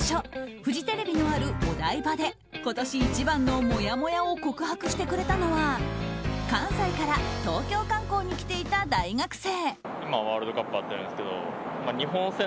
フジテレビのあるお台場で今年一番のもやもやを告白してくれたのは関西から東京観光に来ていた大学生。